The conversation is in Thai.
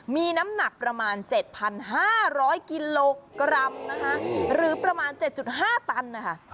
มีน้ำหนักประมาณ๗๕๐๐กิโลกรัมนะคะหรือประมาณ๗๕ตันนะคะ